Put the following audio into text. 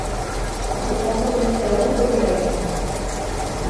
A proposta comercial não foi entregue a tempo